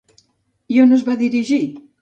I on es va dirigir?